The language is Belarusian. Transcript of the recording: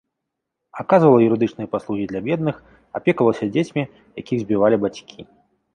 Аказвала юрыдычныя паслугі для бедных, апекавалася дзецьмі, якіх збівалі бацькі.